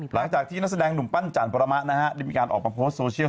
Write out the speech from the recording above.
หลังจากที่นักแสดงหนุ่มปั้นจันปรมะนะฮะได้มีการออกมาโพสต์โซเชียล